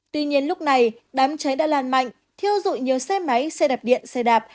tuy nhiên lúc này đám cháy đã lan mạnh thiêu dụi nhiều xe máy xe đạp điện xe đạp